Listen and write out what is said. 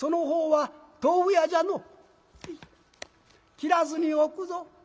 「きらずにおくぞ」。